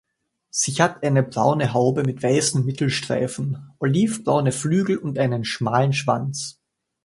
Sie hat eine braune Haube mit weißen Mittelstreifen, oliv-braune Flügel und einen schmalen Schwanz.